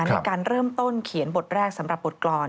ในการเริ่มต้นเขียนบทแรกสำหรับบทกรรม